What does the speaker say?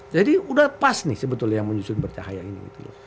jadi udah pas nih sebetulnya yang menyusun bercahaya ini